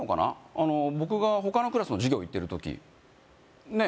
あの僕が他のクラスの授業行ってる時ねえ